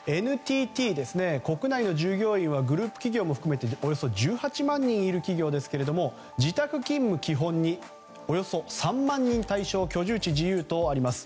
ＮＴＴ、国内の従業員がグループ企業も含めておよそ１８万人もいる企業ですが自宅勤務基本におよそ３万人対象居住地自由とあります。